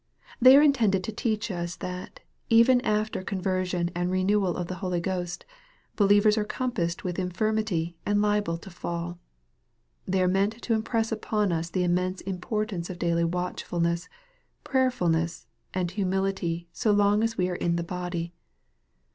They are intended to teach us that, even after conversion and renewal of the Holy Ghost, believers are compassed with infirmity and liable to fall. They are meant to impress upon us the immense importance of daily watchfulness, prayer fulness, and humility so long as we are in the body.